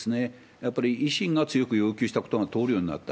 やっぱり維新が強く要求したことが通るようになった。